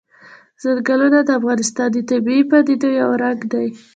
ځنګلونه د افغانستان د طبیعي پدیدو یو رنګ دی.